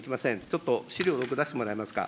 ちょっと資料６、出してもらえますか。